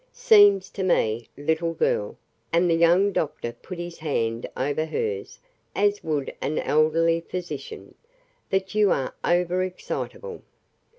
"Seems to me, little girl," and the young doctor put his hand over hers as would an elderly physician, "that you are over excitable.